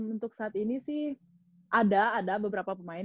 untuk saat ini sih ada beberapa pemain